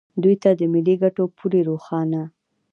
دوی ته د ملي ګټو پولې روښانه